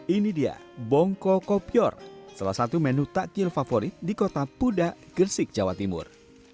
ini dia bongko kopior salah satu menu takjil favorit di kota pudak gersik jawa timur